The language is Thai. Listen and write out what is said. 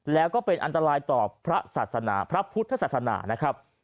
แล้วก็เป็นอันตรายต่อพระศาสนาพระพุทธศาสนานะครับ